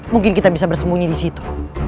mungkin kita bisa bersembunyi disitu